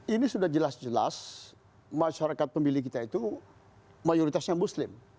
ini sudah jelas jelas masyarakat pemilih kita itu mayoritasnya muslim